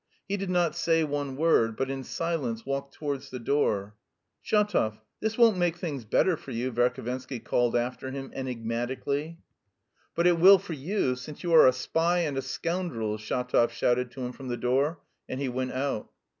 He did not say one word, but in silence walked towards the door. "Shatov, this won't make things better for you!" Verhovensky called after him enigmatically. "But it will for you, since you are a spy and a scoundrel!" Shatov shouted to him from the door, and he went out.